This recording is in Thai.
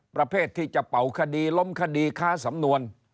ประเภทที่จะเป่าคดีล้มคดีค้าสำนวน